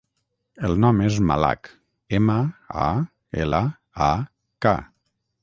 El nom és Malak: ema, a, ela, a, ca.